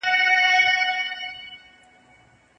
ګرېـوانـونه به لانـده كـړم